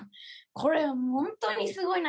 これ本当にすごいな。